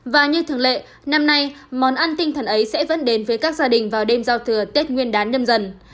và như thường lệ năm nay món ăn tinh thần ấy sẽ vẫn đến với các gia đình vào đêm giao thừa tết nguyên đán nhâm dần